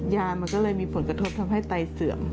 ยามันก็เลยมีผลกระทบทำให้ไตเสื่อม